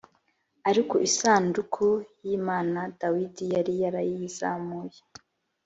ariko isanduku y imana dawidi yari yarayizamuye